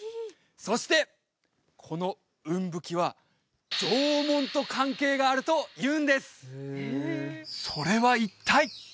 そしてこのウンブキは縄文と関係があるというんですそれは一体？